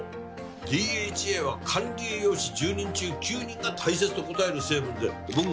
ＤＨＡは管理栄養士１０人中９人が大切と答える成分で僕もね